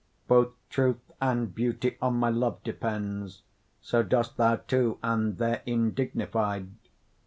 Both truth and beauty on my love depends; So dost thou too, and therein dignified.